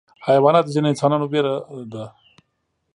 حیوانات د ځینو انسانانو ویره ده.